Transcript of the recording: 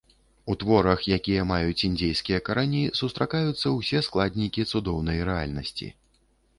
У творах, якія маюць індзейскія карані, сустракаюцца ўсе складнікі цудоўнай рэальнасці.